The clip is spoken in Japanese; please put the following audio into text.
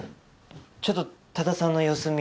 ちょっと多田さんの様子見に来て。